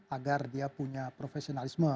agar dia punya profesionalisme